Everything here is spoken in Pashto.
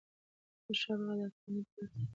احمدشاه بابا د افغانیت ویاړ وساته.